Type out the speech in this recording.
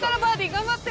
頑張って。